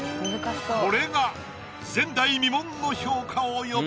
これが前代未聞の評価を呼ぶ。